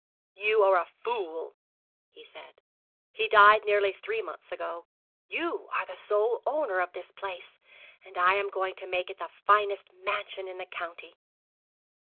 'You are a fool,' he said; 'he died nearly three months ago. You are the sole owner of this place, and I am going to make it the finest mansion in the county.'